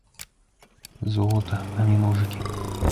Золата, а не ножыкі.